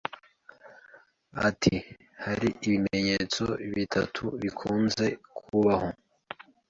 Ati “Hari ibimenyetso bitatu bikunze kuhaho,